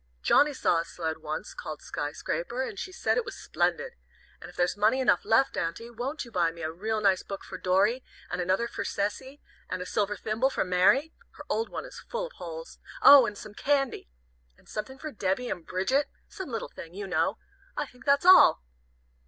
Johnnie saw a sled once called Sky Scraper, and she said it was splendid. And if there's money enough left, Aunty, won't you buy me a real nice book for Dorry, and another for Cecy, and a silver thimble for Mary? Her old one is full of holes. Oh! and some candy. And something for Debby and Bridget some little thing, you know. I think that's all!"